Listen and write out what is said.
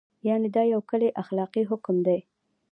یعنې دا یو کلی اخلاقي حکم دی.